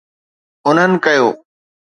انهن ڪيو.